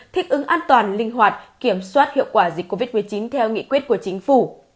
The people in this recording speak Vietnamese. thích ứng an toàn linh hoạt kiểm soát hiệu quả dịch covid một mươi chín theo nghị quyết của chính phủ